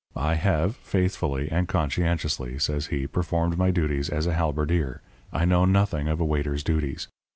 I have faithfuly and conscientiously,' says he, 'performed my duties as a halberdier. I know nothing of a waiter's duties.